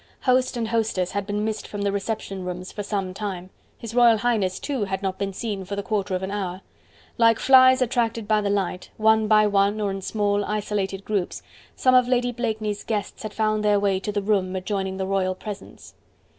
Host and hostess had been missed from the reception rooms for some time, His Royal Highness, too, had not been seen for the quarter of an hour: like flies attracted by the light, one by one, or in small isolated groups, some of Lady Blakeney's guests had found their way to the room adjoining the royal presence.